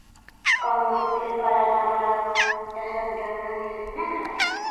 Com ho puc fer per anar a Palau de Santa Eulàlia dimecres?